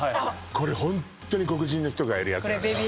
これホントに黒人の人がやるやつなのよ